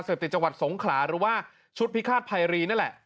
ติดจังหวัดสงขลาหรือว่าชุดพิฆาตภัยรีนั่นแหละ